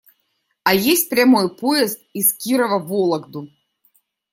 А есть прямой поезд из Кирова в Вологду?